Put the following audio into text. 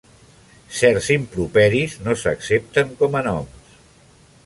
Certs improperis no s'accepten com a noms.